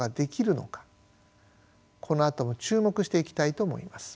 このあとも注目していきたいと思います。